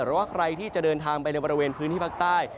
ว่าใครที่จะเดินทางไปในบริเวณพื้นที่ภาคใต้